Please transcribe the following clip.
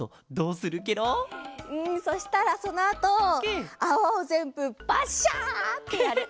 うんそうしたらそのあとあわをぜんぶバッシャってやる。